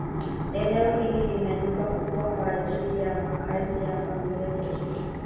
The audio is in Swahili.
Eneo hili lina nyumba kubwa kwa ajili ya makazi ya familia tajiri.